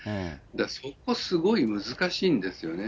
そこ、すごい難しいんですよね。